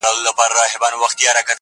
نیمه پېړۍ و جنکيدلم پاچا،